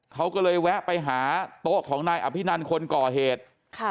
เขาก็เลยแวะไปหาโต๊ะของนายอภินันคนก่อเหตุ